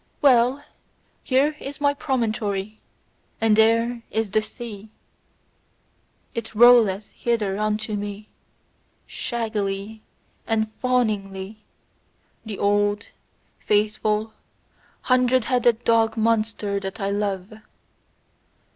Well! Here is my promontory, and there is the sea IT rolleth hither unto me, shaggily and fawningly, the old, faithful, hundred headed dog monster that I love!